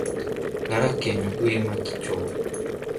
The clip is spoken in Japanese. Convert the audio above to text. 奈良県上牧町